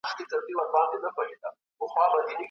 ورته مخ به د ناورين او جنازو وي